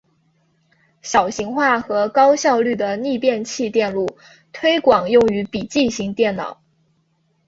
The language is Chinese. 小型化和高效率的逆变器电路推广用于笔记型电脑。